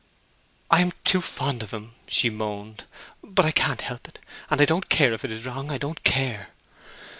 'I am too fond of him!' she moaned; 'but I can't help it; and I don't care if it's wrong, I don't care!'